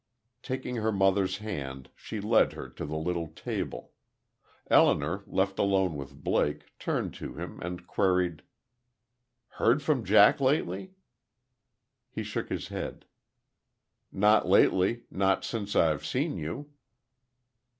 Taking her mother's hand, she led her to the little table. Elinor, left alone with Blake, turned to him and queried: "Heard from Jack lately?" He shook his head. "Not lately. Not since I've seen you."